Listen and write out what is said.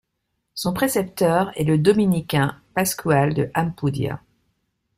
Son précepteur est le dominicain Pascual de Ampudia.